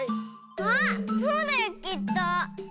あそうだよきっと！